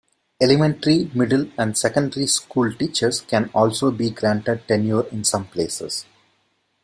Elementary, middle, and secondary school teachers can also be granted tenure in some places.